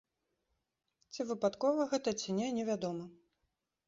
Ці выпадкова гэта, ці не, невядома.